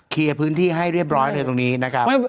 เคลียร์พื้นที่ให้เรียบร้อยเถอะอย่างตรงนี้น่ะครับ